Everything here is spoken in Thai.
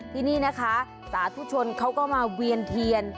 ที่นี่นะคะสาธุชนเขาก็มาเวียนเทียน